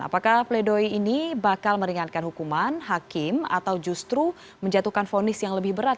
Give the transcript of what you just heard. apakah pledoi ini bakal meringankan hukuman hakim atau justru menjatuhkan fonis yang lebih berat